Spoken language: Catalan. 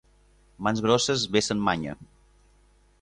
Mans grosses vessen manya.